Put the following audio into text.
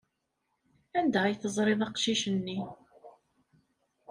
Anda ay teẓriḍ aqcic-nni?